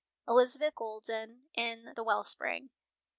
Elisabeth Golden, in the Wellspring.